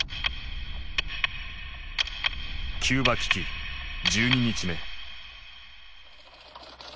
キューバ危機１２日目。